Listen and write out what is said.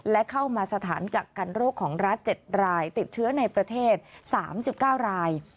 และเข้ามาสถานกักกันโรคของรัฐ๗รายติดเชื้อในประเทศ๓๙ราย